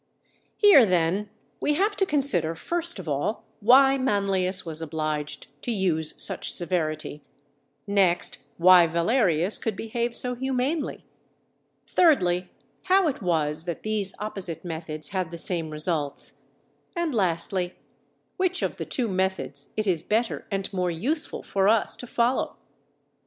Here, then, we have to consider first of all why Manlius was obliged to use such severity; next, why Valerius could behave so humanely; thirdly, how it was that these opposite methods had the same results; and lastly, which of the two methods it is better and more useful for us to follow.